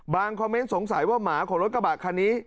คอมเมนต์สงสัยว่าหมาของรถกระบะคันนี้